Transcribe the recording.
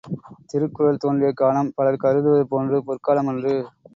திருக்குறள் தோன்றிய காலம், பலர் கருதுவது போன்று பொற்காலமன்று.